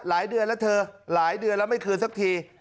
เดือนแล้วเธอหลายเดือนแล้วไม่คืนสักที